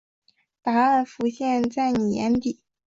答案浮现在妳眼底